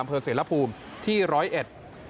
อำเภอเสรภูมิที่ร้อยเอ็ด